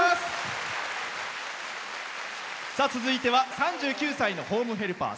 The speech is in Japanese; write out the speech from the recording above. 続いては３９歳のホームヘルパー。